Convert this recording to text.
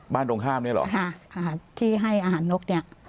ตรงข้ามเนี่ยเหรอค่ะอาหารที่ให้อาหารนกเนี่ย